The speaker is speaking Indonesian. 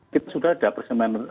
kita sudah ada persenian